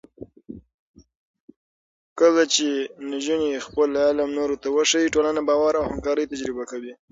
کله چې نجونې خپل علم نورو ته وښيي، ټولنه باور او همکارۍ تجربه کوي.